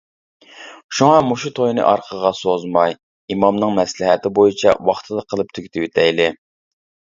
شۇڭا مۇشۇ توينى ئارقىغا سوزماي ئىمامنىڭ مەسلىھەتى بويىچە ۋاقتىدا قىلىپ تۈگىتىۋېتەيلى.